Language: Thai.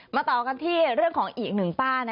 ต่อกันที่เรื่องของอีกหนึ่งป้า